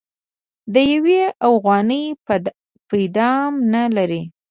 د يوې اوغانۍ پيدام نه لري.